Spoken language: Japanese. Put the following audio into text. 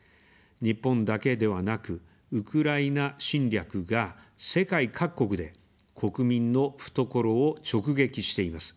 日本だけではなく、ウクライナ侵略が世界各国で国民の懐を直撃しています。